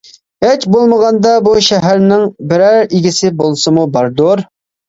ھېچ بولمىغاندا بۇ شەھەرنىڭ بىرەر ئىگىسى بولسىمۇ باردۇر.